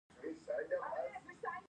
آیا حقوق بشر مراعات کیږي؟